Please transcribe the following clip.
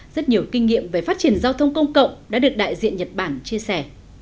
rất nhiều kinh nghiệm về phát triển giao thông công cộng đã được đại diện nhật bản chia sẻ